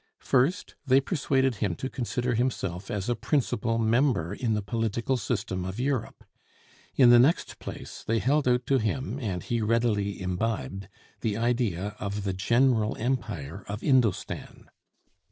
First, they persuaded him to consider himself as a principal member in the political system of Europe. In the next place they held out to him, and he readily imbibed, the idea of the general empire of Indostan.